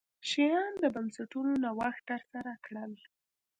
شیام د بنسټونو نوښت ترسره کړل.